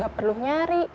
gak perlu nyari